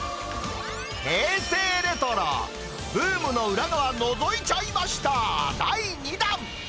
平成レトロ、ブームの裏側のぞいちゃいました第２弾。